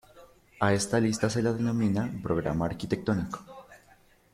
A esta lista se le denomina "Programa Arquitectónico".